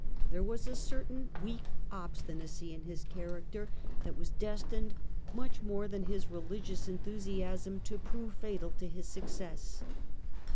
There was a certain weak obstinacy in his character that was destined, much more than his religious enthusiasm, to prove fatal to his success.